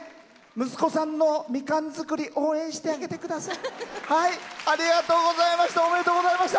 息子さんの、みかん作り応援してあげてください。